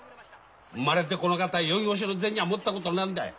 生まれてこの方宵越しの銭は持ったことねえんだい。